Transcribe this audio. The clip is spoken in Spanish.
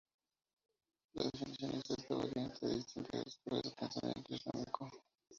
La definición exacta varia entre distintas escuelas de pensamiento islámico.